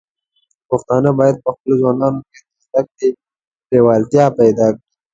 پښتانه بايد په خپلو ځوانانو کې د زده کړې لیوالتیا پيدا کړي.